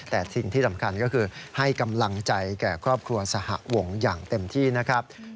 แต่สิ่งที่สำคัญก็คือให้กำลังใจแก่ครอบครัวสหวงอย่างเต็มที่นะครับ